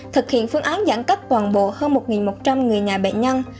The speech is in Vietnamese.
thực hiện phương án giãn cách toàn bộ hơn một một trăm linh người nhà bệnh nhân